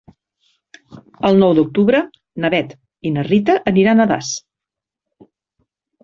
El nou d'octubre na Bet i na Rita aniran a Das.